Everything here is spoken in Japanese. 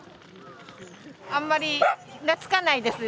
あんまり懐かないです。